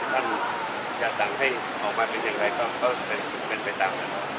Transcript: ท่านจะสั่งให้ออกมาเป็นอย่างไรก็เป็นไปตามนั้น